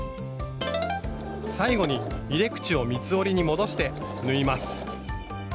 最後に入れ口を三つ折りに戻して縫います。